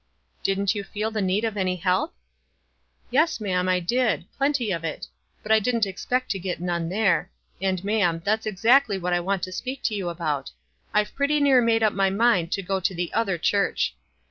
"Didn't you feel the need of any help?" "Yes, ma'am, I did — plenty of it; but I didn't expect to get none there; and, ma'am, that's exactly what I want to speak to you about. 156 WISE AND OTHERWISE. I've pretty near made up my mind to go to the other church."